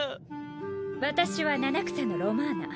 私は七草のロマーナ。